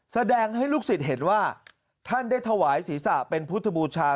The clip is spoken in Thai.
แสดงให้ลูกศิษย์เห็นว่าท่านได้ถวายศีรษะเป็นพุทธบูชา